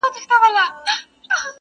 نوي نوي غزل راوړه د ژوندون له رنګینیو،